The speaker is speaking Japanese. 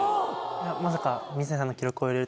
まさか。